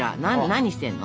何してんの？